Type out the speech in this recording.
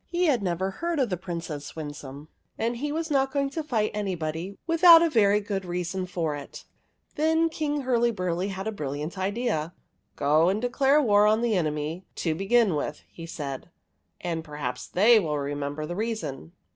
He had never heard of the Princess Winsome, and he was not going to fight anybody without a very good reason for it. lo THE WEIRD WITCH Then King Hurlyburly had a brilliant idea. '' Go and declare war on the enemy, to begin with," he said ;'' and perhaps fkey will remem ber the reason.''